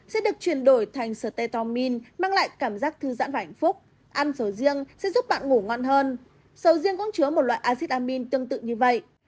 sầu riêng sẽ giúp bạn ngủ ngon hơn sầu riêng cũng chứa một loại acid amine tương tự như vậy